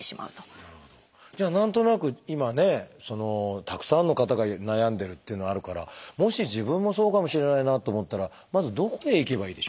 何となく今ねたくさんの方が悩んでるっていうのあるからもし自分もそうかもしれないなと思ったらまずどこへ行けばいいでしょう？